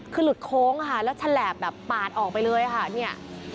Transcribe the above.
คือหลุดโค้งค่ะแล้วฉลาบแบบปาดออกไปเลยค่ะเนี่ย